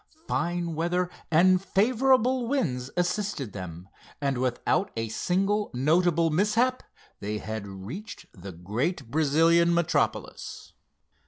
Fine weather and favorable winds assisted them, and without a single notable mishap they had reached the great Brazilian metropolis.